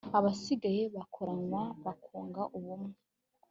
abasigaye bakoranywa bakunga ubumwe